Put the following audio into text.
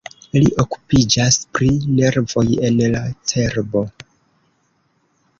Li okupiĝas pri nervoj en la cerbo.